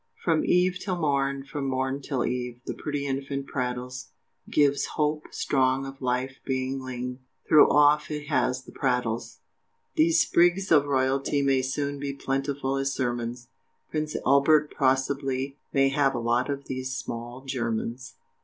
From eve till morn, from morn till eve, The pretty infant prattles, Gives hope strong of life being leng, Though oft it has the RATTLES! These sprigs of royalty may soon Be plentiful as sermons Prince Albert possibly may have A lot of these SMALL GERMANS!